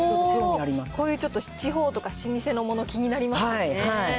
こういう、ちょっと地方とか老舗のもの、気になりますよね。